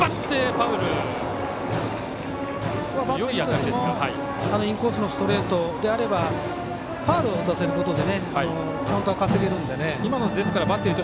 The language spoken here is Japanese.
バッテリーとしてもインコースのストレートであればファウルを打たせることでカウントは稼げるので。